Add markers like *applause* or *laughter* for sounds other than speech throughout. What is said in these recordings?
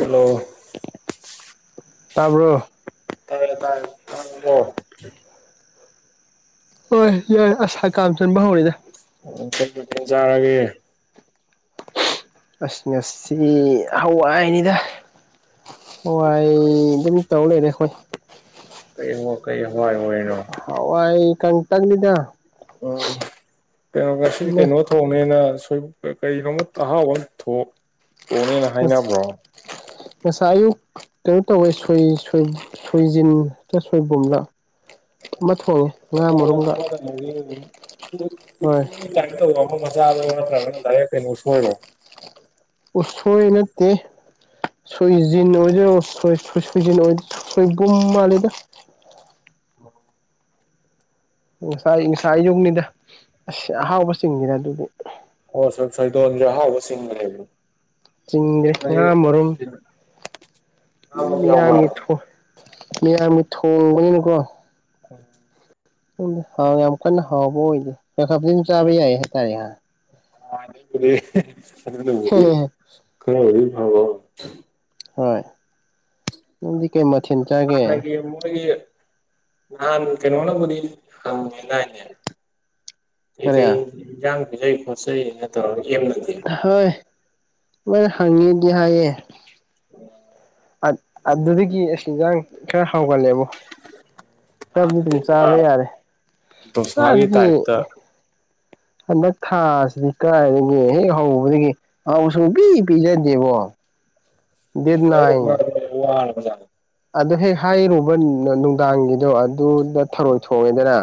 hello ꯇꯥꯕ꯭ꯔꯣ ꯇꯥꯔꯕ ꯍꯣꯏ ꯌꯥꯏ ꯑꯁ ꯍꯀꯥꯝ ꯆꯟꯕ ꯍꯧꯔꯛꯑ‌ꯦ *unintelligible* ꯆꯥꯔꯒꯦ ꯑꯁ ꯉꯁꯤ ꯍꯋꯥꯏꯅꯤꯗ ꯍꯋꯥꯏ ꯑꯗꯨꯝ ꯇꯧ ꯂꯩꯔꯦ ꯈꯣꯏ ꯀꯩ ꯀꯩ ꯍꯋꯥꯏ ꯑꯣꯏꯔꯤꯅꯣ ꯍꯋꯥꯏ ꯀꯪꯇꯟꯅꯤꯗꯥ ꯎ ꯀꯩꯅꯣ ꯉꯁꯤꯗꯤ ꯀꯩꯅꯣ ꯊꯣꯡ ꯅꯦꯅ ꯁꯣꯏ ꯀꯔꯤꯅꯣꯝꯃ ꯑꯍꯥꯎꯕ ꯑꯃ ꯊꯣꯡ ꯊꯣꯡꯅꯤꯅ ꯍꯥꯏꯅꯕ꯭ꯔꯣ ꯉꯁꯥꯏ ꯑꯌꯨꯛ ꯀꯩꯅꯣ ꯇꯧꯋꯦ ꯁꯣꯏ ꯁꯣꯏ ꯁꯣꯏꯖꯤꯟ ꯁꯣꯏꯕꯨꯝꯂ ꯑꯃ ꯊꯣꯡꯉꯦ *unintelligible* ꯉꯥ ꯃꯔꯨꯝꯒ ꯍꯣꯏ ꯇꯥꯏꯞ ꯇꯧꯕ ꯑꯃ ꯃꯆꯥ ꯑꯗꯨꯔ ꯅꯠꯇ꯭ꯔꯒ ꯗꯥꯏꯔꯦꯛ ꯀꯩꯅꯣ ꯎꯁꯣꯏꯔꯣ ꯎꯁꯣꯏ ꯅꯠꯇꯦ ꯁꯣꯏꯖꯤꯟ ꯑꯣꯏꯗꯣꯏꯔꯣ ꯁꯣꯏ ꯁꯣꯏ ꯁꯣꯏꯖꯤꯟ ꯑꯣꯏ ꯁꯣꯏꯕꯨꯝ ꯃꯥꯜꯂꯤꯗ ꯉꯁꯥꯏ ꯉꯁꯥꯏ ꯑꯌꯨꯛꯅꯤꯗ ꯑꯁ ꯑꯍꯥꯎꯕꯆꯤꯡꯉꯤꯗ ꯑꯗꯨꯗꯤ ꯑꯣ ꯁꯣ ꯁꯣꯏꯗꯣꯟꯖꯨ ꯑꯍꯥꯥꯎꯕ ꯆꯤꯡꯕꯅꯦꯕꯥ ꯆꯤꯡꯗꯦ ꯉꯔꯥꯡ *unintelligible* ꯉꯥꯔꯣꯝ ꯌꯥꯎꯕ꯭ꯔꯥ ꯃꯤꯌꯥꯝꯒꯤ ꯊꯣꯏ ꯃꯤꯌꯥꯝꯒꯤ ꯊꯣꯡꯕꯅꯤꯅꯀꯣ ꯎꯝ *unintelligible* ꯍꯥꯎ ꯌꯥꯝ ꯀꯟꯅ ꯍꯥꯎꯕ ꯑꯣꯏꯗꯦ *unintelligible* ꯆꯥꯕ ꯌꯥꯏ ꯍꯥꯏꯇꯥꯔꯦ ꯉꯍꯥꯟ ꯑꯗꯨꯅꯕꯨꯗꯤ ꯈꯔ ꯑꯣꯏꯕꯩ ꯐꯕꯥ ꯍꯣꯏ ꯅꯪꯗꯤ ꯀꯩ ꯃꯊꯦꯟ ꯆꯥꯒꯦ ꯊꯤꯝꯃꯣꯏꯒꯤ ꯅꯍꯥꯟ ꯀꯩꯅꯣꯅꯕꯨꯗꯤ ꯍꯡꯉꯦ ꯗꯥꯏꯅꯦ ꯀꯩ ꯀꯔꯤ ꯀꯩ ꯏꯟꯖꯥꯡ ꯄꯤꯖꯩ ꯈꯣꯠꯆꯩꯅ ꯇꯧꯔꯒ ꯑꯦꯝ ꯅꯠꯇꯦ ꯍꯣꯏ ꯃꯣꯏ ꯍꯡꯅꯤꯗꯤ ꯍꯥꯏꯌꯦ ꯑ ꯑꯗꯨꯗꯒꯤ ꯑꯁ ꯏꯟꯖꯥꯡ ꯈꯔ ꯍꯧꯒꯜꯂꯦꯕꯣ ꯆꯥꯛꯗꯤ ꯅꯍꯥꯟꯅꯗꯤ ꯑꯗꯨꯝ ꯄꯨꯔꯥ ꯆꯥꯕ ꯌꯥꯔꯦ ꯗꯣꯁꯥꯒꯤ ꯇꯥꯏꯞꯇ *unintelligible* ꯍꯟꯗꯛ ꯊꯥꯁꯤꯗꯤ ꯀꯥꯏꯗꯒꯤ ꯍꯦꯛ ꯍꯧꯕꯗꯒꯤ ꯑꯎ ꯁꯪꯕꯤ ꯄꯤꯖꯗꯦꯕꯣ ꯗꯦꯠ ꯅꯥꯏꯟ ꯋꯥꯔꯕ ꯖꯥꯠꯅꯦ ꯑꯗꯨ ꯍꯦꯛ ꯍꯥꯏꯔꯨꯕ ꯅꯨ ꯅꯨꯡꯗꯥꯡꯒꯤꯗꯣ *unintelligible* ꯊꯔꯣꯏ ꯊꯣꯡꯉꯦꯗꯅ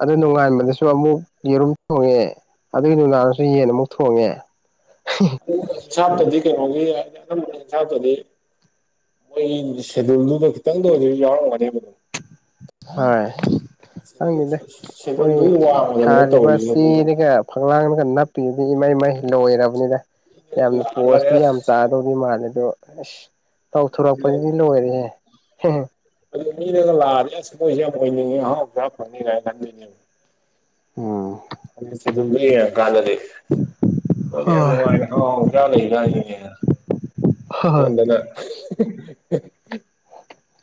ꯑꯗꯨ ꯅꯣꯡꯉꯥꯟꯕꯗꯁꯨ ꯑꯃꯨꯛ ꯌꯦꯔꯨꯝ ꯊꯣꯡꯉꯦ ꯑꯗꯨꯒꯤ ꯅꯨꯗꯥꯡꯗꯁꯨ ꯌꯦꯟ ꯑꯃꯨꯛ ꯊꯣꯡꯉꯦ *unintelligible* ꯁꯥꯞꯇꯗꯤ ꯀꯩꯅꯣꯒꯤ *unintelligible* ꯁꯥꯞꯇꯗꯤ ꯃꯣꯏꯒꯤ ꯁꯦꯗꯨꯜꯗꯨꯗ ꯈꯤꯇꯪꯗ ꯑꯣꯏꯖꯨ ꯌꯥꯎꯔꯝꯒꯅꯤꯕ ꯑꯗꯨꯝ ꯍꯣꯏ *unintelligible* ꯑꯗꯨꯝ ꯗꯦꯗ ꯃꯣꯏ ꯁꯦꯗꯨꯜꯗꯨꯒꯤ ꯋꯥꯡꯃꯗꯅꯦꯕ ꯊꯥꯔꯤꯕ ꯇꯧꯔꯤꯁꯦ ꯑꯗꯨꯒ ꯆꯦꯗꯒ ꯐꯛꯂꯥꯡꯗꯒ ꯅꯞ *unintelligible* ꯏꯃꯩ ꯃꯩ ꯂꯣꯏꯔꯕꯅꯤꯗ ꯌꯥꯝꯅ ꯂꯥꯛꯑꯒꯅꯦ ꯄꯣꯁꯇꯤ ꯑꯁ ꯌꯥꯝ ꯇꯥ ꯇꯧꯗꯤ ꯃꯥꯜꯂꯦ ꯑꯗꯣ ꯑꯁ ꯇꯧꯊꯣꯔꯛꯄꯗꯗꯤ ꯂꯣꯏꯔꯦꯍꯦ ꯍꯦꯍꯦ ꯑꯗꯨ ꯃꯤꯅꯒ ꯂꯥꯛꯑꯗꯤ ꯑꯁ ꯃꯣꯏꯖꯦ ꯌꯥꯝ ꯑꯣꯏꯅꯤꯡꯉꯤ ꯑꯍꯥꯎ ꯆꯥ ꯐꯪꯅꯤ ꯀꯥꯏꯅ ꯈꯟꯗꯣꯏꯅꯦꯕ ꯎꯝ *unintelligible* ꯁꯦꯗꯨꯜꯗꯣ ꯌꯦꯡꯉꯀꯥꯟꯗꯗꯤ ꯅꯪꯗꯤ ꯌꯥꯝ ꯍꯣꯏ ꯅꯨꯡꯉꯥꯏꯅ ꯍꯥꯎ ꯍꯥꯎ ꯆꯥ ꯂꯩꯅ ꯍꯥꯏꯖꯤꯗꯤ *unintelligible* ꯍꯣꯏ *unintelligible*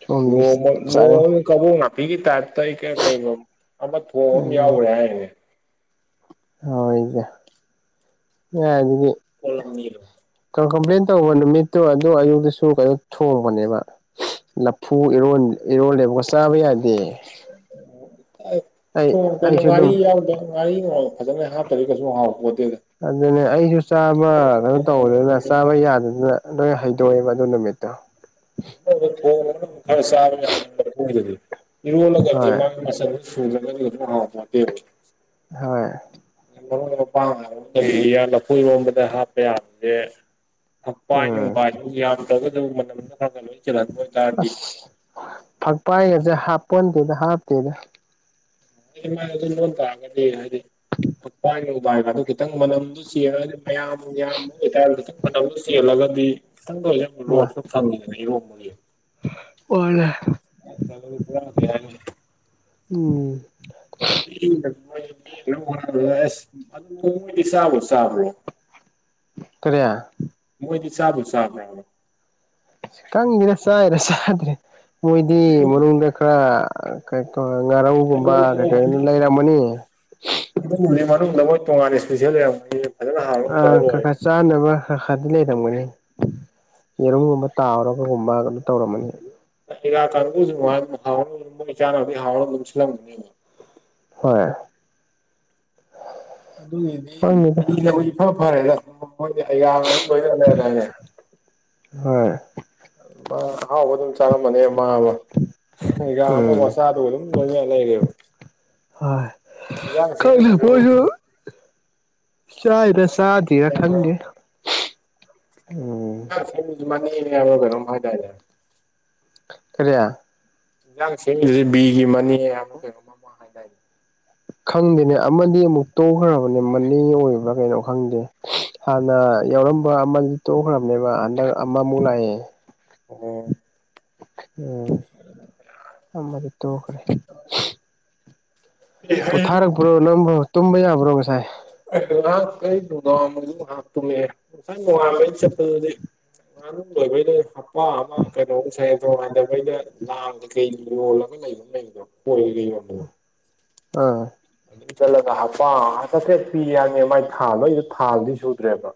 ꯁꯣꯝꯗꯤ ꯆꯥꯡ ꯀꯕꯣꯛ ꯅꯥꯄꯤꯒꯤ ꯇꯥꯏꯞꯇ ꯑꯩ ꯀꯦ ꯀꯩꯅꯣ ꯑꯃ ꯊꯣꯛꯕ ꯑꯃ ꯑꯗꯨꯅꯤ ꯌꯥꯎꯈ꯭ꯔꯦ ꯍꯥꯏꯔꯤꯅꯦ *unintelligible* ꯀꯣꯂꯝꯃꯤꯔꯣ ꯀ ꯀꯝꯄ꯭ꯂꯦꯟ ꯇꯧꯕ ꯅꯨꯃꯤꯠꯇꯨ ꯑꯗꯨ ꯑꯌꯨꯛꯇꯁꯨ ꯀꯩꯅꯣ ꯊꯣꯡꯕꯅꯦꯕꯥ ꯂꯐꯨ ꯏꯔꯣꯟ ꯏꯔꯣꯜꯂꯦꯕꯀꯣ ꯆꯥꯕ ꯌꯥꯗꯦ *unintelligible* ꯑꯩ ꯊꯣꯡꯕꯗꯨ ꯑꯩꯁꯨ ꯑꯗꯨꯝ ꯉꯥꯔꯤ ꯌꯥꯎꯗ ꯉꯥꯔꯤ ꯃꯣꯔꯣꯛ ꯐꯖꯅ ꯂꯣꯏ ꯍꯥꯞꯇ꯭ꯔꯗꯤ ꯀꯩꯁꯨ ꯍꯥꯎꯄꯣꯇꯦꯗ ꯑꯗꯨꯅꯦ ꯑꯩꯖꯨ ꯆꯥꯕ ꯀꯩꯅꯣ ꯇꯧꯕꯅꯤꯅ ꯆꯥꯕ ꯑꯃꯗ ꯌꯥꯗꯗꯅ ꯂꯣꯏ ꯍꯩꯗꯣꯛꯑꯦꯕ ꯑꯗꯨ ꯅꯨꯃꯤꯠꯇꯣ ꯊꯣꯡꯉ ꯈꯔ ꯆꯥꯕ ꯌꯥꯅꯤ ꯏꯔꯣꯜꯂꯒꯗꯤ ꯍꯣꯏ ꯃꯥꯒꯤ ꯃꯆꯟ *unintelligible* ꯍꯥꯎꯄꯣꯟꯇꯦꯕ ꯍꯣꯏ ꯃꯔꯣꯏ ꯃꯄꯥꯡ ꯍꯥꯏꯕ ꯑꯃ *unintelligible* ꯂꯐꯨ ꯏꯔꯣꯝꯕꯗ ꯍꯥꯞꯄ ꯌꯥꯕꯁꯦ ꯊꯛꯄꯥꯏ ꯎꯝ ꯅꯨꯡꯕꯥꯥꯏꯖꯨ ꯌꯥꯝꯗ꯭ꯔꯒꯗꯖꯨ ꯃꯅꯝꯅ ꯈꯔ ꯈꯔ ꯂꯣꯏ ꯆꯦꯜꯍꯟꯕ ꯑꯣꯏꯇꯥꯔꯗꯤ ꯑꯁ ꯐꯛꯄꯥꯏꯒꯁꯦ ꯍꯥꯞꯄꯟꯗꯦꯗ ꯍꯥꯞꯇꯦꯗ *unintelligible* ꯃꯥ ꯑꯗꯨ ꯂꯣꯟ ꯇꯥꯔꯒꯗꯤ ꯍꯥꯏꯗꯤ *unintelligible* ꯐꯛꯄꯥꯏ ꯅꯨꯡꯕꯥꯏꯒꯗꯣ ꯈꯤꯇꯪ ꯃꯅꯝꯗꯣ ꯆꯦꯜꯂꯒꯗꯤ ꯃꯌꯥꯝ ꯌꯥꯝꯕ ꯑꯣꯏꯇꯥꯔꯒ ꯀꯟꯕ꯭ꯔꯠ ꯑꯃ ꯆꯦꯜꯂꯒꯗꯤ ꯈꯤꯇꯪꯗ ꯑꯣꯏꯖꯨ ꯃꯥ ꯔꯣꯁꯇꯣ ꯐꯪꯉꯦꯕ ꯏꯔꯣꯟꯕꯒꯤ *unintelligible* *unintelligible* ꯎꯝ ꯍꯣꯠꯅꯕꯗ ꯑꯦꯁ ꯑꯗꯨ ꯃꯣꯏꯗꯤ ꯆꯥꯕ꯭ꯔꯣ ꯆꯥꯕ꯭ꯔꯣ ꯀꯔꯦ ꯃꯣꯏꯗꯤ ꯆꯥꯕꯨ ꯆꯥꯕ꯭ꯔꯕ ꯈꯪꯗꯦꯅ ꯆꯥꯏꯔ ꯆꯥꯗ꯭ꯔꯦ ꯃꯣꯏꯗꯤ ꯃꯅꯨꯡꯗ ꯈꯔ ꯑ ꯀꯩ *unintelligible* ꯑꯗꯨ ꯉꯥꯔꯧꯒꯨꯝꯕ ꯀꯩ ꯀꯩꯅꯣ ꯂꯩꯔꯝꯒꯅꯤ ꯑꯗꯨꯕꯨꯗꯤ ꯃꯅꯨꯡꯗ ꯃꯣꯏ ꯇꯣꯉꯥꯟꯅ ꯏꯁꯄꯤꯁꯦꯜ ꯂꯩꯔꯝꯒꯅꯤꯌꯦ ꯑꯥ ꯈ ꯈ ꯆꯥꯅꯕ ꯍ ꯍꯥꯗꯤ ꯂꯩꯔꯝꯒꯅꯤ ꯌꯦꯔꯨꯝꯒꯨꯝꯕ ꯇꯥꯎꯔꯒꯒꯨꯝꯕ ꯑꯗꯨ ꯇꯧꯔꯝꯃꯅꯤ ꯑꯩꯒꯥ ꯀꯥꯡꯕꯨꯁꯨ *unintelligible* ꯍꯥꯎꯅꯕ ꯃꯣꯏ ꯆꯥꯅꯕꯗꯤ ꯍꯥꯎꯅꯕ ꯑꯗꯨꯝ ꯁꯤꯜꯂꯝꯒꯅꯤꯕ ꯍꯣꯏ ꯑꯗꯨꯒꯤꯗꯤ ꯈꯪꯗꯦꯗ ꯕꯤꯅꯤꯅꯕꯨ ꯏꯐ ꯐꯔꯦꯗ ꯃꯣꯏꯗꯤ ꯑꯩꯒꯥꯒ ꯑꯗꯨꯝ ꯂꯣꯏꯅꯔ ꯂꯩꯔꯗꯥꯏꯅꯦ ꯍꯣꯏ ꯃꯥ ꯑꯍꯥꯎꯕ ꯑꯗꯨꯝ ꯆꯥꯔꯝꯃꯅꯤ ꯃꯥ ꯑꯃ ꯑꯩꯒꯤꯌꯥ ꯑꯃ ꯎꯝ ꯋꯥ *unintelligible* ꯑꯗꯨꯝ ꯂꯣꯏꯅ ꯂꯩꯔꯦꯕ ꯍꯣꯏ ꯏꯟꯖꯥꯡ ꯈꯪꯗꯦ ꯁꯦꯝꯕꯗꯁꯨ *unintelligible* ꯆꯥꯏꯔꯥ ꯆꯥꯗꯤꯔꯥ ꯏꯟꯖꯥꯡ ꯈꯪꯗꯦꯗ ꯎꯝ *unintelligible* ꯃꯅꯦꯅꯦ ꯍꯥꯏꯕ꯭ꯔ ꯀꯩꯅꯣꯝ ꯍꯥꯏꯗꯥꯏꯅꯦ ꯀꯔꯤ ꯏꯟꯖꯥꯡ ꯁꯦꯝꯃꯤꯁꯦ ꯕꯤ ꯒꯤ ꯃꯅꯦ ꯍꯥꯏꯕ꯭ꯔꯥ ꯀꯩꯅꯣ ꯃꯃꯥꯡ ꯂꯩꯀꯥꯏ ꯈꯪꯗꯦꯅꯦ ꯑꯃꯗꯤ ꯑꯃꯨꯛ ꯇꯣꯛꯈ꯭ꯔꯕꯅꯦ ꯃꯟꯂꯤ ꯑꯣꯏꯕ꯭ꯔꯥ ꯀꯩꯅꯣ ꯈꯪꯗꯦ ꯍꯥꯟꯅ ꯌꯥꯎꯔꯝꯕ ꯑꯃꯗꯨꯗꯤ ꯇꯣꯛꯈ꯭ꯔꯕꯅꯦꯕ ꯍꯟꯗꯛ ꯑꯃꯃꯨꯛ ꯂꯥꯛꯑꯦ *unintelligible* ꯎꯝ ꯑꯃꯗꯤ ꯇꯣꯛꯈ꯭ꯔꯦ ꯍꯩ ꯍꯩ ꯄꯣꯊꯥꯔꯛꯄ꯭ꯔꯣ ꯅꯡꯕꯨ ꯇꯨꯝꯕ ꯌꯥꯕ꯭ꯔꯣ ꯉꯁꯥꯏ ꯑꯩ ꯉꯥꯍꯥꯛ ꯑꯩ ꯅꯨꯡꯗꯥꯡꯋꯥꯏꯔꯝꯕꯨꯗꯤ ꯉꯍꯥꯛ ꯇꯨꯝꯃꯦ ꯍꯦ ꯉꯁꯥꯏ ꯅꯣꯡꯉꯥꯟꯕꯩ ꯆꯠꯄꯗꯨꯗꯤ ꯉꯥꯅꯨ ꯂꯣꯏꯕꯩꯗꯣ ꯍꯥ ꯍꯄꯥ ꯑꯃ ꯀꯩꯗꯧꯕ ꯁꯖꯦꯟꯊꯣꯡ ꯍꯥꯏꯗꯕꯩꯗ ꯂꯥꯡ ꯀꯩ ꯀꯩ ꯌꯣꯜꯂꯒ ꯂꯩꯕ ꯑꯃ ꯂꯩꯕꯗꯣ *unintelligible* ꯑꯪ ꯆꯜꯂꯒ ꯍꯥꯄꯥ ꯑꯃ ꯄꯤ ꯍꯏꯕꯅꯦ ꯃꯥꯏ ꯊꯥ ꯅꯣꯏꯗ ꯊꯥꯕꯨꯗꯤ ꯁꯨꯗ꯭ꯔꯦꯕ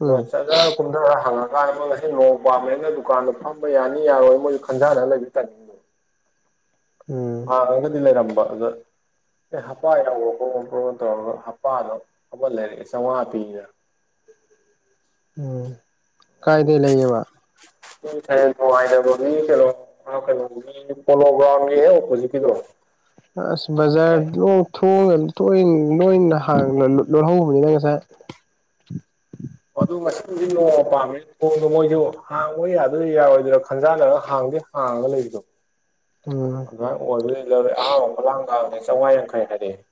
ꯑꯗꯣ ꯎꯝ ꯆꯠꯂ ꯀꯨꯝꯊꯔ ꯍꯪꯉꯀꯥꯟ ꯑꯃ ꯉꯁꯤ ꯅꯣꯡ ꯄꯥꯃꯦꯅ ꯗꯨꯀꯥꯟꯗ ꯐꯝꯕ ꯌꯥꯅꯤ ꯌꯥꯔꯣꯏ ꯃꯣꯏꯁꯨ ꯈꯟꯖꯔꯒ ꯂꯩꯕ ꯇꯅꯤ ꯎꯝ ꯍꯡꯉꯒꯥꯘꯤ ꯂꯩ ꯔꯝꯕ ꯑꯗꯥ ꯑꯦ ꯍꯞꯄꯥ ꯌꯥꯎꯕ꯭ꯔꯣ ꯈꯣꯠ ꯄ꯭ꯔꯣ ꯇꯧꯔꯒ ꯍꯞꯄꯥꯗꯣ ꯑꯃꯥ ꯂꯩꯔꯒꯦ ꯆꯥꯝꯃꯉꯥ ꯄꯤꯗꯅ ꯎꯝ ꯀꯥꯏꯗꯩ ꯂꯩꯌꯦꯕ *unintelligible* ꯄꯣꯂꯣꯒ꯭ꯔꯥꯎꯟꯒꯤ ꯍꯦꯛ ꯑꯣꯄꯣꯖꯤꯠꯀꯤꯗꯣ ꯑꯁ ꯍꯥꯏꯇꯥꯔꯦ ꯕꯖꯥꯔꯣꯡꯣꯏ ꯇꯣꯏꯅ ꯂꯣꯏꯅ ꯍꯥꯡ ꯂꯣꯜꯍꯧꯕꯅꯤꯅ ꯉꯁꯥꯏ ꯑꯣ ꯑꯗꯨ ꯃꯁꯤꯡꯗꯨꯗꯤ ꯅꯣꯡꯃ ꯄꯥꯝꯃꯦ ꯊꯣꯡꯗꯣ ꯃꯣꯏꯁꯨ ꯍꯥꯡꯕ ꯌꯥꯗꯣꯏ ꯌꯥꯔꯣꯏꯗꯣꯏꯔꯥ ꯈꯟꯖꯥꯟꯅꯔꯒ ꯍꯥꯡꯗꯤ ꯍꯡ ꯍꯥꯡꯉꯒ ꯂꯩꯕꯗꯣ ꯎꯝ ꯑꯗꯨꯃꯥꯏ ꯑꯣꯏꯕꯗꯩ ꯂꯧꯔꯦ ꯑꯍꯥꯟꯕ ꯈꯨꯂꯥꯡ ꯈꯥꯡꯅꯦ ꯆꯧꯉꯥꯌꯥꯡꯈꯩ ꯍꯥꯏꯔꯛꯑꯦ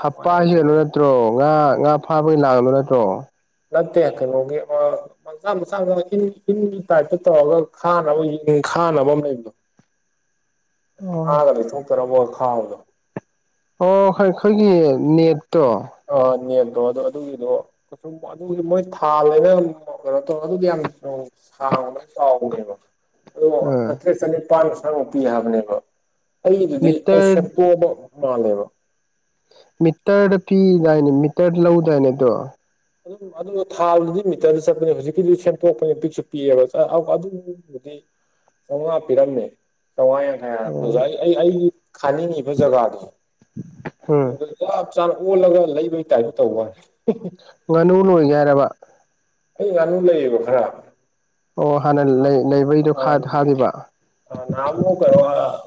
ꯆꯥꯝꯃꯉꯥ ꯍꯞꯄꯥꯁꯤ ꯌꯥꯡꯈꯩ ꯀꯩꯅꯣ ꯂꯧꯔꯦ ꯅꯠꯇ꯭ꯔꯣ ꯉꯥ ꯉꯥ ꯐꯥꯕꯒꯤ ꯂꯥꯡꯅꯨ ꯅꯠꯇ꯭ꯔꯣ ꯅꯠꯇꯦ ꯀꯩꯅꯣꯒꯤ ꯑ ꯃꯆꯥ ꯃꯆꯥ ꯏꯤꯟ ꯏꯤꯟꯒꯤ ꯇꯥꯏꯞꯇ ꯇꯧꯔꯒ ꯈꯥꯅꯕ ꯈꯥꯅꯕ ꯑꯃ ꯂꯩꯕꯗꯣ ꯑꯣ ꯉꯥ ꯒꯗꯣ ꯊꯣꯛꯇꯅꯕꯥ ꯈꯥꯕꯗꯣ ꯑꯣ ꯈꯣꯏ ꯈꯣꯏꯒꯤ ꯅꯦꯠꯇꯣ ꯑ ꯅꯦꯟꯗꯣ ꯑꯣ ꯑꯗꯨꯒꯤꯗꯣ ꯑꯗꯨꯗꯤ ꯃꯣꯏ ꯊꯥ ꯂꯩꯅ ꯀꯩꯅꯣ ꯇꯧꯔ ꯑꯗꯨꯗꯤ ꯌꯥꯝ ꯍꯥꯎ ꯍ ꯁ ꯎꯕ ꯑꯗ ꯑꯥ ꯆꯥꯇ꯭ꯔꯦꯠ ꯆꯅꯤꯄꯥꯟꯁꯥꯡꯃ ꯄꯤ ꯍꯥꯏꯕꯅꯦꯕ ꯑꯩꯗꯨꯗꯤ ꯃꯣꯏ ꯁ ꯃꯤꯇꯔ ꯁꯦꯝꯗꯣꯛꯑꯕ ꯃꯥ ꯂꯩꯕ ꯃꯤꯇꯔꯗ ꯄꯤꯗꯥꯏꯅꯦ ꯃꯤꯇꯔ ꯂꯧꯗꯥꯏꯅꯦ ꯑꯗꯣ ꯑꯗꯨꯝ ꯑꯗꯨꯒ ꯊꯥꯗꯨꯗꯤ ꯃꯤꯇꯔꯗ ꯆꯠꯄꯅꯦ ꯍꯧꯖꯤꯛꯀꯤꯗꯤ ꯁꯦꯝꯗꯣꯛꯄꯅꯦ ꯄꯤꯛꯁꯨ ꯄꯤꯛꯑꯦꯕ ꯆꯧꯉꯥ ꯄꯤꯔꯝꯃꯦ ꯆꯧꯉꯥ ꯌꯥꯡ ꯑꯦ ꯑꯣꯖꯥ ꯑꯣ ꯑꯩ ꯑꯩ ꯑꯩꯒꯤ ꯈꯥꯅꯤꯡꯉꯤꯕ ꯖꯒꯥꯗꯣ ꯑꯗꯨ ꯎꯝ ꯆꯞ ꯆꯥꯅ ꯑꯣꯜꯂꯒ ꯂꯩꯕꯒꯤ ꯇꯥꯏꯞꯇ ꯇꯧꯕ ꯋꯥꯅꯦ ꯉꯥꯅꯨ ꯂꯣꯏꯒꯦ ꯍꯥꯏꯔꯕ ꯑꯩ ꯉꯥꯅꯨ ꯂꯩꯌꯦꯕ ꯈꯔ ꯑꯣ ꯍꯥꯟꯅ ꯂꯩ ꯂꯩꯕꯩꯗꯣ ꯈꯥ ꯈꯥꯈꯤꯕ ꯅꯍꯥꯥꯟꯃꯨꯛ ꯀꯩꯅꯣ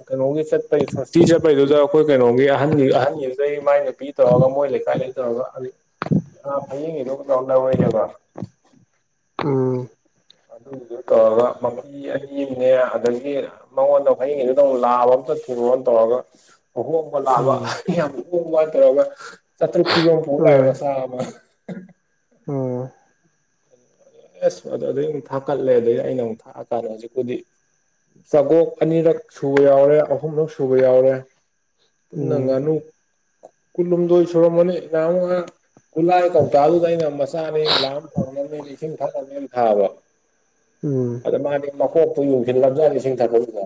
ꯀꯩꯅꯣꯒꯤ ꯆꯠꯄꯩ ꯁꯋꯥꯁꯇꯤ ꯆꯠꯄꯩꯗꯨꯗ ꯑꯩꯈꯣꯏ ꯀꯩꯅꯣꯒꯤ ꯑꯍꯒꯤ ꯑꯍꯟꯒꯤꯗꯨꯗꯩ ꯃꯥꯏ ꯄꯤ ꯇꯧꯔꯒ ꯃꯣꯏ ꯂꯩꯀꯥꯏ ꯗꯩ ꯇꯧꯔꯒ ꯐꯩꯌꯦꯡꯒꯤꯗꯨ ꯇꯧꯔꯒ ꯂꯧꯔꯛꯑꯦꯕ ꯎꯝ ꯑꯗꯨ ꯀꯥ ꯃ ꯃꯤ ꯑꯅꯤ ꯑꯃꯅꯦ ꯑꯗꯒꯤ ꯃꯉꯣꯟꯗ ꯐꯩꯌꯦꯡꯒꯤꯗꯨꯗ ꯂꯥꯕ ꯑꯝꯇ ꯊꯨꯔꯣꯅ ꯇꯧꯔꯒ ꯑꯣ ꯂꯥꯛꯑꯕ ꯎꯝ ꯌꯥꯝ ꯎ ꯋꯥ ꯇꯧꯔꯒ ꯆꯥꯇ꯭ꯔꯨꯛ ꯄꯤꯕ ꯑꯃ ꯄꯨꯔ ꯂꯥꯛꯑꯦ ꯃꯆꯥꯥ ꯑꯃ ꯑꯣ ꯑꯦꯁ ꯑꯗꯣ ꯑꯗꯩ ꯑꯃꯨꯛ ꯊꯥꯀꯠꯂꯦ ꯑꯗꯩ ꯑꯩꯅ ꯑꯃꯨꯛ ꯊꯥꯛ ꯑꯀꯥꯟꯗ ꯍꯧꯖꯤꯛꯄꯨꯗꯤ ꯆꯥꯒꯣꯛ ꯑꯅꯤꯔꯛ ꯁꯨꯕ ꯌꯥꯎꯔꯦ ꯑꯍꯨꯝꯂꯛ ꯁꯨꯕ ꯌꯥꯎꯔꯦ ꯅꯪ ꯎꯝ ꯉꯅ ꯀꯨꯂꯨꯝꯗ ꯁꯣꯣ ꯃꯅꯤ ꯉꯨ ꯒꯨꯂꯥꯒꯤ ꯀꯧꯇꯥꯗꯨꯗ ꯑꯩꯅ ꯃꯆꯥꯅꯤ ꯂꯥꯝ ꯐꯪꯅꯕꯅꯦꯅ ꯏꯁꯤꯡ ꯊꯛꯅꯕꯅꯦꯅ ꯊꯥꯕ ꯎꯝ ꯑꯗ ꯃꯥꯗꯤ ꯃꯀꯣꯛꯇꯨ ꯌꯡꯁꯤꯜꯂꯂꯝꯖꯥ ꯏꯁꯤꯡ ꯊꯛꯗꯁꯤꯗ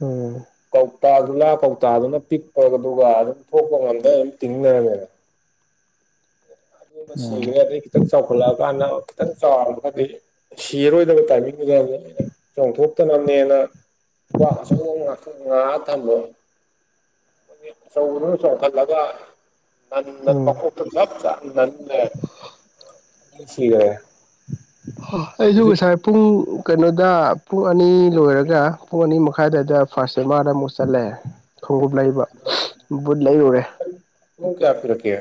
ꯎꯝ ꯀꯧꯇꯥ ꯒꯨꯂꯥ ꯀꯧꯇꯥꯗꯨꯅ ꯄꯤꯛꯄꯒ ꯑꯗꯨꯒ ꯑꯗꯨꯝ ꯊꯣꯛꯄ ꯉꯝꯗꯅ ꯑꯗꯨꯝ ꯇꯤꯡ ꯂꯩꯔꯝꯃꯦꯗꯅꯥ ꯑꯗꯨꯃ ꯎꯝ ꯁꯤꯒꯔ꯭ꯦ ꯑꯗꯩ ꯈꯤꯇꯪ ꯆꯥꯎꯈꯠꯂꯛ ꯑꯀꯥꯟꯗ ꯈꯤꯇꯪ ꯆꯥꯎꯔꯝꯃꯒꯗꯤ ꯁꯤꯔꯣꯏꯗꯕ ꯇꯥꯏꯃꯤꯡꯗꯨꯗ ꯂ ꯆꯣꯡꯊꯣꯛꯇꯅꯕꯅꯦꯅ ꯑ ꯉ ꯊꯜꯂ ꯁꯧꯔ ꯁꯣ ꯊꯜꯂꯒ ꯅ ꯅ ꯎꯝ ꯃꯞ ꯆ ꯅꯁꯤꯒꯦ ꯑꯩꯁꯨ ꯉꯁꯥꯏ ꯄꯨꯡ ꯀꯩꯅꯣꯗ ꯄꯨꯡ ꯑꯅꯤ ꯂꯣꯏꯔꯒ ꯄꯨꯡ ꯑꯅꯤ ꯃꯈꯥꯏꯗꯗ ꯐꯥꯔꯁ ꯑꯃꯥꯔꯗ ꯑꯃꯨꯛ ꯆꯠꯂꯦ ꯈꯣꯡꯎꯞ ꯂꯩꯕ ꯕꯨꯠ ꯂꯩꯔꯨꯔꯦ ꯅꯪ ꯀꯌꯥ ꯄꯤꯔꯛꯀꯦ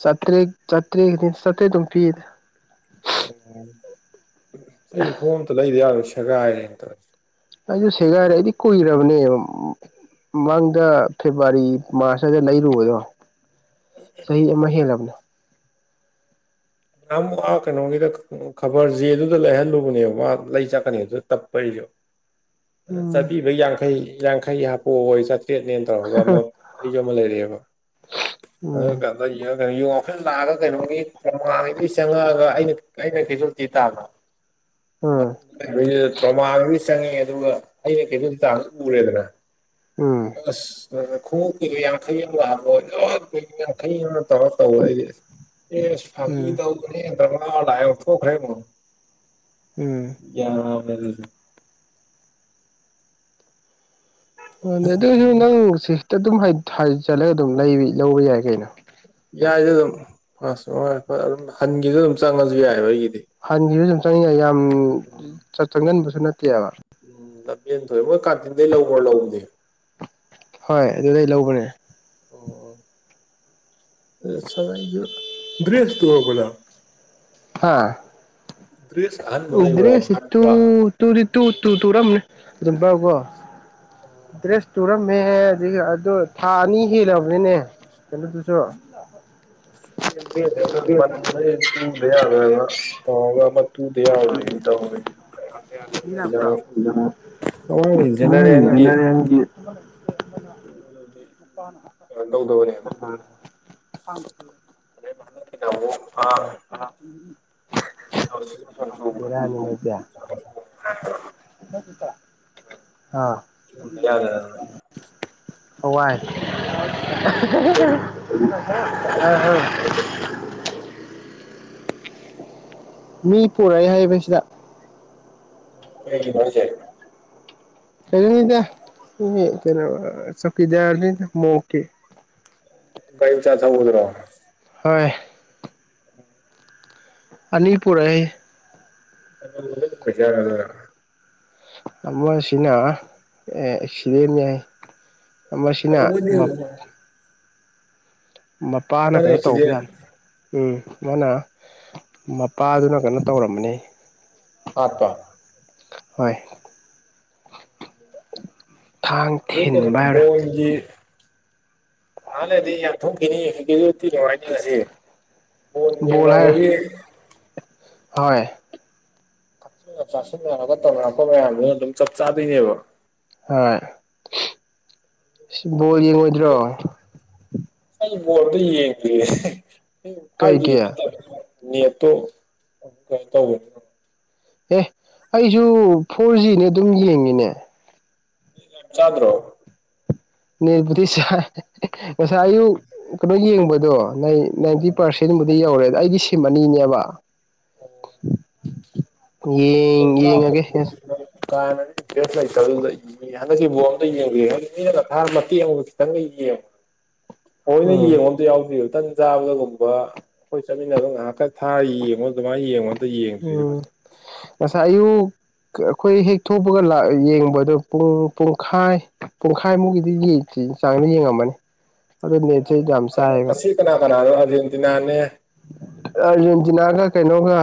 ꯆꯇꯔꯦ ꯆꯇ꯭ꯔꯦ ꯁꯇꯦ ꯑꯗꯨꯝ ꯐꯤ ꯑꯣ ꯑꯩꯁꯨ ꯈꯣꯡꯎꯞ ꯑꯝꯇ ꯂꯩꯗ ꯌꯥꯔꯣꯏ ꯁꯦꯒꯥꯏꯔꯦꯅ ꯇꯧꯔꯤꯁꯦ ꯑꯩꯁꯨ ꯁꯦꯒꯥꯏꯔꯦ ꯑꯩꯗꯤ ꯀꯨꯏꯔꯕꯅꯦꯕ ꯃꯥꯡꯗ ꯐꯦꯕꯋꯥꯔꯤ ꯃꯥꯔꯁꯇꯗ ꯂꯩꯔꯨꯕꯗꯣ ꯆꯍꯤ ꯑꯃ ꯍꯦꯜꯂꯕꯅꯣ ꯅꯝ ꯍꯥ ꯀꯅꯣꯡꯗꯛ ꯈꯕꯔ ꯖꯦ ꯑꯗꯨꯗ ꯂꯩꯍꯜꯂꯨꯕꯅꯦꯕ ꯃꯥ ꯂꯩ ꯆꯥꯛꯀꯅꯤ ꯑꯗꯨꯗ ꯇꯞꯄꯩꯔ ꯑꯗꯨ ꯎꯝ ꯆꯠꯄꯤꯕꯩ ꯌꯥꯡꯈꯩ ꯌꯥꯡꯈꯩ ꯍꯥꯄꯣ ꯍꯣꯏ ꯆꯥꯇ꯭ꯔꯦꯠꯅꯦꯅ ꯒ ꯑꯃ ꯑꯩꯁꯨ ꯑꯃ ꯂꯩꯔꯤꯑꯕ ꯎꯝ ꯑꯗꯨ ꯌꯨ ꯉꯥꯎꯁꯤꯜꯂ ꯂꯥꯛꯑꯒ ꯀꯩꯅꯣꯒꯤ ꯇ꯭ꯔꯧꯃꯥꯒꯤꯗꯨꯒꯤ ꯆꯪꯉꯛꯑꯒ ꯑꯩꯅ ꯑꯩꯅ ꯀꯦꯖ꯭ꯋꯜꯇꯤ ꯇꯥꯕꯔꯣ *unintelligible* ꯇ꯭ꯔꯧꯃꯥ ꯆꯪꯉꯛꯑꯦ ꯑꯗꯨꯒ ꯑꯩꯅ ꯀꯦꯖ꯭ꯋꯜꯇꯤ ꯇꯥꯕꯗꯣ ꯎꯔꯦꯗꯅ ꯎꯝ ꯑꯁ ꯈꯣꯡꯎꯞꯀꯤꯗꯣ ꯌꯥꯡꯈꯩ ꯌꯥꯝ ꯂꯥꯛꯑꯕꯣ ꯌꯥꯡꯈꯩ ꯑꯃ ꯇꯧꯔ ꯇꯧ ꯍꯥꯏꯁꯦ ꯑꯦ ꯎꯝ ꯐꯥꯒꯤꯤ ꯇꯧ *unintelligible* ꯎꯝ *unintelligible* ꯑꯗꯨꯑꯣꯏꯁꯨ ꯅꯪ ꯁꯤꯁꯤꯇ ꯑꯗꯨꯝ ꯍꯥꯏ ꯍꯥꯏꯖꯤꯜꯂ ꯑꯗꯨꯝ ꯂꯧꯕ ꯌꯥꯏ ꯀꯩꯅꯣ ꯌꯥꯏꯗ ꯑꯗꯨꯝ ꯐꯁ ꯑꯥꯎꯔ ꯑꯗꯨꯝ ꯍꯟꯒꯤꯗ ꯑꯗꯨꯝ ꯆꯪꯉꯁꯨ ꯌꯥꯏꯕ ꯑꯩꯒꯤꯗꯤ ꯍꯟꯈꯤꯕꯁꯨ ꯌꯥꯝ ꯎꯝ ꯆꯪꯖꯟꯕꯁꯨ ꯅꯠꯇꯦꯕ ꯂꯝꯦꯟ ꯊꯣꯛꯑꯦ ꯃꯣꯏ ꯀꯥꯇꯤꯟꯗꯩ ꯂꯧꯈ꯭ꯔꯣ ꯂꯧꯧꯕꯅꯦ ꯍꯣꯏ ꯑꯗꯨꯗꯩ ꯂꯧꯈꯔꯦ ꯗꯔ꯭ꯦꯁ ꯇꯨꯔꯕꯣ ꯅꯪ ꯍꯥꯥ ꯗꯔꯤꯁ ꯎꯒ꯭ꯔꯦ ꯁꯤꯠꯇꯨ ꯇꯨꯗꯤ ꯇꯨ ꯇꯨ ꯇꯨꯔꯝꯅꯤ ꯑꯗꯨꯝ ꯄꯥꯎꯀꯣ ꯗ꯭ꯔꯦꯁ ꯇꯨꯔ ꯃ ꯑꯗꯨ ꯊꯥ ꯑꯅꯤ ꯍꯦꯜꯂꯕꯅꯤꯅꯦ ꯀꯩꯅꯣꯗꯨꯁꯨ ꯃꯟ ꯇꯨꯡꯗꯦꯒ ꯇꯉ ꯇꯨꯗꯌꯥꯖꯔꯅꯤ ꯀ ꯍꯦꯌꯥꯅ ꯃꯤ ꯂꯥꯛꯄ꯭ꯔꯣ ꯂꯧꯅꯅꯤꯖꯅ ꯍꯣꯏ ꯒꯦꯅꯔꯦꯜ ꯒꯤ *unintelligible* ꯀꯩꯅꯣ ꯇꯧꯗꯕꯅꯦꯕ ꯇ ꯃꯥꯟꯅꯕꯨ ꯑ ꯏꯔꯅꯤꯄꯌꯥ ꯑꯥ ꯇꯨꯗ ꯌꯥꯗꯗꯅ ꯋꯥꯋꯥꯏ ꯑ ꯃꯤ ꯄꯨꯔꯛꯏ ꯍꯥꯏꯕꯁꯤꯗ ꯀꯩꯒꯤꯅꯣ ꯍꯥꯏꯁꯦ ꯀꯩꯅꯗ ꯀꯩꯅꯣ ꯆꯀꯤꯗꯔꯗ ꯃꯣꯀꯦ ꯒꯥꯔꯤ ꯃꯆꯥ ꯊꯧꯕꯗꯨꯔꯣ ꯍꯣꯏ ꯑꯅꯤ ꯄꯨꯔꯦ ꯀꯩꯗꯧꯕꯗꯩ ꯑꫭꯏꯖꯥꯠꯅꫭ‌ ꯑꯗꯨꯅ ꯑꯃꯁꯤꯅ ꯑꯦ ꯑꯦꯛꯁꯤꯗꯦꯟꯅꯦ ꯑꯃꯁꯤꯅ ꯇꯧꯕꯨꯗꯤ ꯃꯞ ꯃꯄꯥꯅ ꯑꯃꯅ ꯀꯩꯅꯣ ꯇꯧꯕ ꯑꯦꯛꯁꯤꯗꯦꯟ ꯌꯥꯅꯤ ꯎꯝ ꯃꯥꯅ ꯃꯄꯥꯗꯨꯅ ꯀꯩꯅꯣ ꯇꯧꯔꯝꯃꯅꯤ ꯍꯥꯞꯄ ꯍꯣꯏ ꯊꯥꯡ ꯊꯤꯟꯕ ꯑꯗꯨꯗꯨꯔꫭ ꯍꯥꯏꯔ ꯕꫭꯏꯟ ꯑꯩꯒꯤ ꯉꯍꯥꯛ ꯂꯩꯔꯗꯤ ꯌꯥꯟꯊꯣꯛꯈꯤꯅꯤ *unintelligible* ꯌꯦꯡꯉꯒꯦ ꯀꯤ ꯅꯨꯡꯉꯥꯏꯅꯤꯂꯁꯤꯦ ꯕꫭꯜ ꯕꯣꯜ ꯍꯥꯏꯔ ꯌꯦꯡꯅꯕꯒꯤ ꯍꯣꯏ ꯊꯛ ꯆꯤꯟꯅ ꯆꯥꯁꯤꯟꯅꯔꯒ ꯇꯧꯅꯔꯛꯄ ꯃꯌꯥꯝꯗꯨꯅ ꯑꯗꯨꯝ ꯆꯞ ꯆꯥꯗꯣꯏꯅꯦꯕ ꯍꯣꯏ ꯁꯤ ꯕꯣꯜ ꯌꯦꯡꯉꯣꯏꯗ꯭ꯔꯣ ꯑꯩ ꯕꯣꯜꯗꯣ ꯌꯦꯡꯗꯔꯤꯌꯦ *inaudible* *unintelligible* ꯀꯩꯒꯤ ꯅꯦꯠꯇꯣ ꯀꯃꯥꯟ ꯀꯃꯥꯟ ꯇꯧꯒꯤꯕꯅꯤꯅ ꯑꯦ ꯑꯩꯖꯨ ꯐꯣꯔ ꯖꯤꯅꯦ ꯑꯗꯨꯝ ꯌꯦꯡꯉꯤꯅꯦ ꯌꯥꯝ ꯆꯥꯗ꯭ꯔꯣ ꯅꯦꯠꯄꯨꯗꯤ ꯆꯥꯏ ꯉꯁꯥꯏ ꯑꯌꯨꯛ ꯀꯩꯅꯣ ꯌꯦꯡꯕꯗꯣ ꯃꯩ ꯅꯥꯏꯟꯇꯤ ꯄꯥꯔꯁꯦꯟꯕꯨꯗꯤ ꯌꯧꯔꯦꯗ ꯑꯩꯗꯤ ꯁꯤꯝ ꯑꯅꯤꯅꯦꯕ ꯑꯣ ꯌꯦꯡ ꯌꯦꯡꯉꯒꯦ ꯀꯥꯍꯦꯟꯅꯖꯨ ꯏꯝꯄꯔꯦꯁ ꯂꯩꯇꯕꯗꯨꯗ ꯍꯟꯗꯛꯀꯤ ꯕꫭꯜ ꯑꯝꯇ ꯌꯦꯡꯗꯔꯤ ꯑꯩꯗꯤ ꯃꯤꯅꯒ ꯊꯥꯔ ꯃꯇꯦꯛ ꯑꯃ ꯈꯤꯇꯪꯒ ꯌꯦꯡꯕ ꯊꯑꫭꯏꯅ ꯎꯝ ꯌꯦꯡꯕ ꯑꯃꯇ ꯌꯥꯎꯗꯦ ꯑꯃꯨꯛꯇꯪ ꯆꯥꯕꯗꯒꯨꯝꯕ ꯑꯩꯈꯣꯏ ꯆꯠꯃꯤꯟꯅꯕ ꯉꯥꯏꯍꯥꯛꯀ ꯊꯥꯔ ꯌꯦꯡꯉꯣ ꯑꯗꯨꯃꯥꯏ ꯌꯦꯡꯉꯣ ꯎꯝ ꯉꯁꯥꯏ ꯑꯌꯨꯛ ꯑꯩꯈꯣꯏ ꯍꯦꯛ ꯊꯣꯛꯄꯒ ꯂꯥꯛ ꯌꯦꯡꯕꯗꯨ ꯄꯨꯡ ꯄꯨꯡꯈꯥꯏ ꯄꯨꯡꯈꯥꯏꯃꯨꯛꯀꯤꯗꯤ ꯌꯦꯟꯁꯤ ꯆꯥꯡꯗ ꯌꯦꯡꯉꯝꯃꯅꯤ ꯑꯗꯨꯅꯦ ꯊꯔꯤꯗ ꯌꯥꯝ ꯆꯥꯏꯌꯦꯕ ꯀꯅꯥ ꯀꯅꯥꯅꫭ ꯑꯥꯔꯖꯦꯟꯇꯤꯅꯥꯅꯦ ꯑꯥꯔꯖꯦꯟꯇꯤꯅꯥꯒ ꯀꯩꯅꯣꯒ